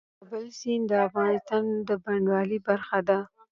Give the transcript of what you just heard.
د کابل سیند د افغانستان د بڼوالۍ برخه ده.